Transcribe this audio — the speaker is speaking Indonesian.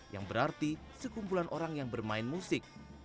yang berarti sekumpulan orang yang bermain musik